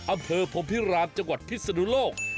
อำเภอพรมพิรามจังหวัดพิศนุโลก